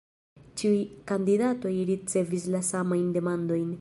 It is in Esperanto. Ĉiuj kandidatoj ricevis la samajn demandojn.